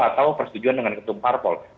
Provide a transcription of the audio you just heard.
atau persetujuan dengan ketum parpol